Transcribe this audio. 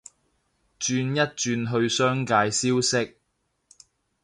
轉一轉去商界消息